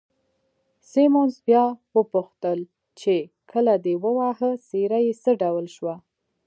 سیمونز بیا وپوښتل چې، کله دې وواهه، څېره یې څه ډول شوه؟